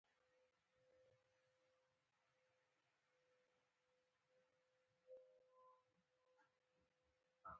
سهار له لمر را ختو وړاندې، چې کله اورګاډی.